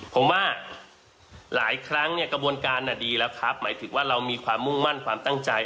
ผมว่าหลายครั้งเนี่ยกระบวนการดีแล้วครับหมายถึงว่าเรามีความมุ่งมั่นความตั้งใจ